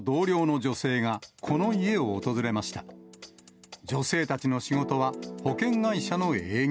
女性たちの仕事は、保険会社の営業。